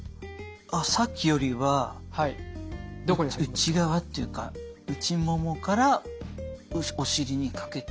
あっさっきよりは内側っていうか内ももからお尻にかけて。